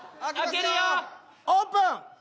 オープン！